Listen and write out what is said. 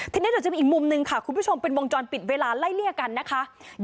ทีนี้เดี๋ยวจะมีอีกมุมหนึ่งค่ะคุณผู้ชมเป็นวงจรปิดเวลาไล่เลี่ยกันนะคะ